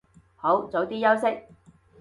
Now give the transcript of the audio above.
好，早啲休息